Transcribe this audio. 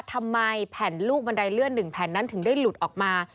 ทำไมแผ่นลูกบันไดเลื่อน๑แผ่นนั้นถึงได้หลุดออกมา